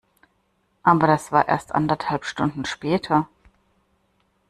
Aber das war erst anderthalb Stunden später.